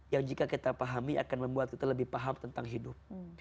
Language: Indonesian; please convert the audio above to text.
yang jika kita pahami akan membuat kita lebih paham tentang hidup